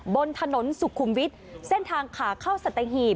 บนถนนสุขุมวิทย์เส้นทางขาเข้าสัตหีบ